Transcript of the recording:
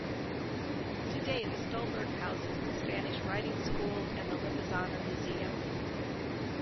Today the Stallburg houses the Spanish Riding School and the Lipizzaner Museum.